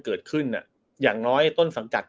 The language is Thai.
เกิดขึ้นอย่างน้อยต้นสังจัด